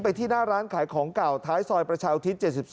ที่หน้าร้านขายของเก่าท้ายซอยประชาอุทิศ๗๒